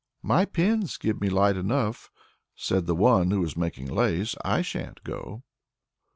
"My pins give me light enough," said the one who was making lace. "I shan't go."